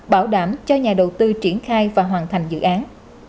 bảo đảm cho nhà đầu tư triển khai và hoàn thành dự án